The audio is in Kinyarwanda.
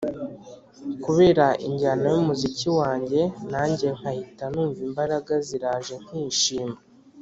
kubera injyana y’umuziki wange, nange nkahita numva imbaraga ziraje nkishima”.